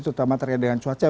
terutama terkait dengan cuaca